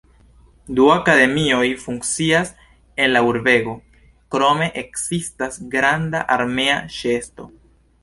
Du akademioj funkcias en la urbego, krome ekzistas granda armea ĉeesto.